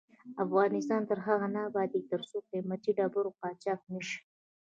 افغانستان تر هغو نه ابادیږي، ترڅو قیمتي ډبرې قاچاق نشي.